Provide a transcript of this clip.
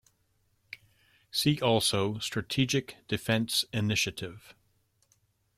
See also Strategic Defense Initiative.